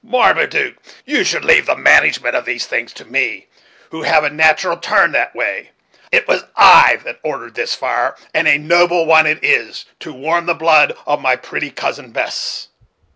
Marmaduke: you should leave the management of these things to me, who have a natural turn that way. It was I that ordered this fire, and a noble one it is, to warm the blood of my pretty Cousin Bess."